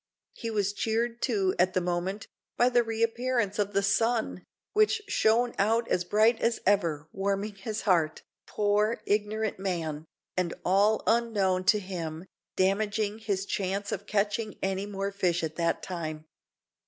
He was cheered, too, at the moment, by the re appearance of the sun, which shone out as bright as ever, warming his heart, (poor, ignorant man!) and, all unknown to him, damaging his chance of catching any more fish at that time.